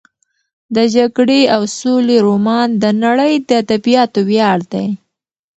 د جګړې او سولې رومان د نړۍ د ادبیاتو ویاړ دی.